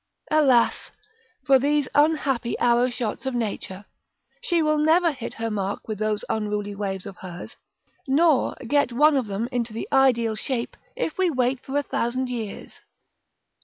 Alas, for these unhappy arrow shots of Nature; she will never hit her mark with those unruly waves of hers, nor get one of them, into the ideal shape, if we wait for a thousand years.